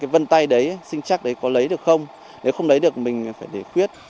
vân tay đấy xinh chắc đấy có lấy được không nếu không lấy được mình phải để khuyết